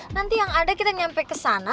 nanti yang ada kita nyampe kesana